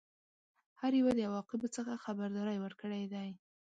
هر یوه د عواقبو څخه خبرداری ورکړی دی.